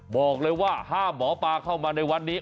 บอกเลยว่าห้ามหมอปลาเข้ามาในวันนี้